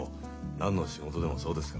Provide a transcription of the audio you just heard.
何の仕事でもそうですが。